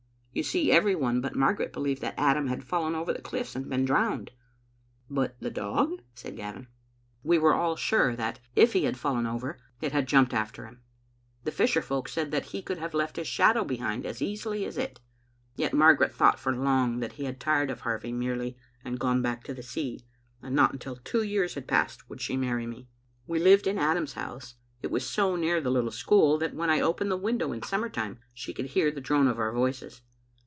You see, every one but Mar garet believed that Adam had fallen over the cliffs and been drowned. "•* But the dog?" said Gavin. " We were all sure that, if he had fallen over, it had jumped after him. The fisher folk said that he could have left his shadow behind as easily as it. Yet Mar garet thought for long that he had tired of Harvie merely and gone back to sea, and not until two years had passed would she marry me. We lived in Adam's house. It was so near the little school that when 1 opened the window in summer time she could hear the drone of our voices.